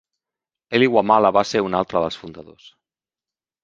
Elly Wamala va ser un altre dels fundadors.